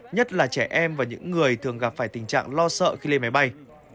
nhất là trẻ em và những người thường gặp phải tình trạng lo sợ khi lên máy bay